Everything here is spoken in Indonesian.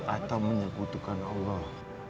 atau menyebutkan allah